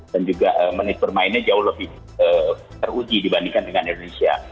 dan juga menit permainnya jauh lebih teruji dibandingkan dengan indonesia